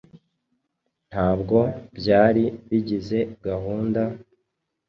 Ntabwo byari bigize gahunda,